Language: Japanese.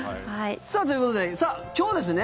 さあ、ということで今日ですね？